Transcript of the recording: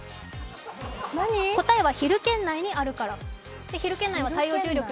答えはヒル圏内にあるから。